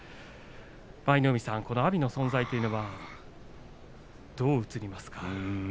舞の海さん、この阿炎の存在というのはどう映りますか？